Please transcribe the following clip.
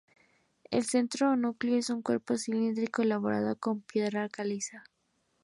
El centro o núcleo es un cuerpo cilíndrico elaborado con piedra caliza.